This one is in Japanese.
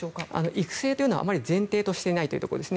育成というのはあまり前提としていないと。